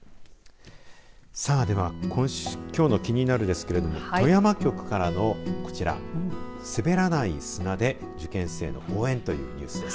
さあではきょうのキニナル！ですけど富山局からのこちら滑らない砂で受験生の応援というニュースです。